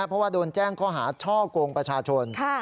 เพราะว่าโดนแจ้งข้อหาช่อกงประชาชน